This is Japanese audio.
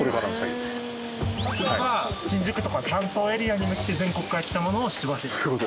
つまり新宿とか担当エリアに向けて全国から来たものを仕分ける？